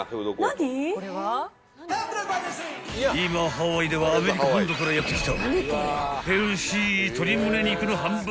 ［今ハワイではアメリカ本土からやって来た］